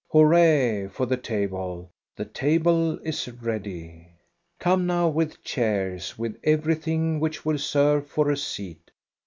Hurrah for the table ; the table is ready ! Come now with chairs, with everything which will serve for a seat!